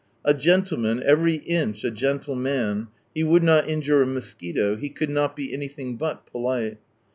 A gentleman, every inch a gentle man, he would not injure a mosquito, he could not be anything but polite.